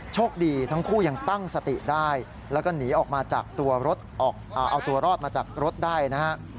โชคดีทั้งคู่ยังตั้งสติได้แล้วก็หนีออกมาจากตัวรถเอาตัวรอดมาจากรถได้นะฮะ